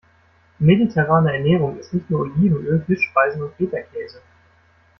Mediterrane Ernährung ist nicht nur Olivenöl, Fischspeisen und Fetakäse.